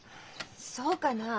そうかな？